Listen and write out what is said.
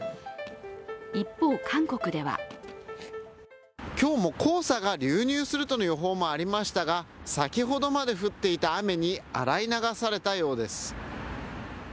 一方、韓国では今日も黄砂が流入するという予報もありましたが先ほどまで降っていた雨に洗い流されたようです。